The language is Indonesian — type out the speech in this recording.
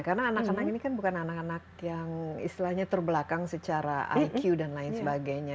karena anak anak ini kan bukan anak anak yang istilahnya terbelakang secara iq dan lain sebagainya